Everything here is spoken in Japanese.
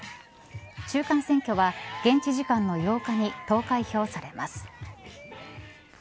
中間選挙は現地時間の８日に投開票されます。